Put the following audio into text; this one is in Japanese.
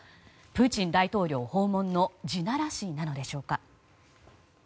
プーチン大統領訪問の地ならしなのでしょうか。